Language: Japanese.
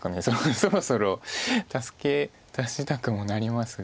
そろそろ助け出したくもなりますが。